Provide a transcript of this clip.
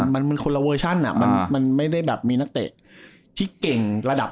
มันคนละเวอร์ชันมันไม่ได้แบบมีนักเตะที่เก่งระดับ